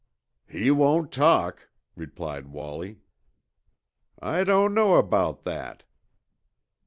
"He won't talk," replied Wallie. "I don't know about that."